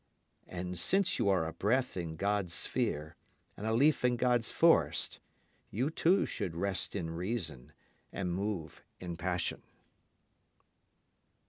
And since you are a breath in God's sphere, and a leaf in God's forest, you too should rest in reason and move in passion.